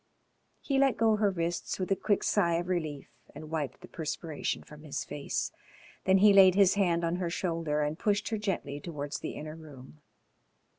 He let go her wrists with a quick sigh of relief and wiped the perspiration from his face. Then he laid his hand on her shoulder and pushed her gently towards the inner room.